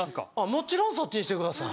もちろんそっちにしてください